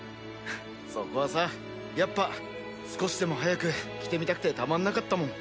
そこはさやっぱ少しでも早く着てみたくてたまんなかったもん